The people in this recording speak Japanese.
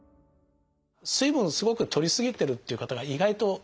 水分すごくとりすぎてるっていう方が意外と現代多いですね。